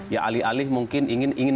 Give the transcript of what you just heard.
ya alih alih mungkin ingin